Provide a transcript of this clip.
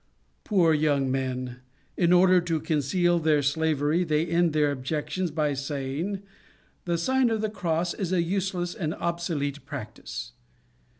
Poor young men! In order to conceal their slavery, they end their objections by saying: "The Sign of the Cross is a useless and obsolete practice."